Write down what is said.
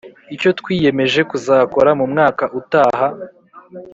. Icyo twiyemeje kuzakora mu mwaka utaha